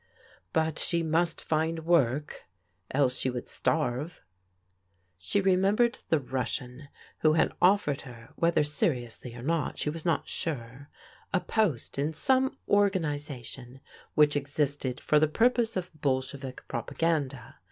But she must find work, else she would starve. She remembered the Russian who had offered her — whether seriously or not she was not sure — a post in some organization which existed for the purpose of Bol shevik propaganda.